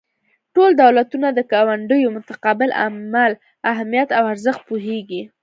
ټول دولتونه د ګاونډیو متقابل عمل اهمیت او ارزښت پوهیږي